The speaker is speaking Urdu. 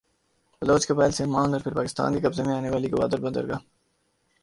بلوچ قبائل سے عمان اور پھر پاکستان کے قبضے میں آنے والی گوادربندرگاہ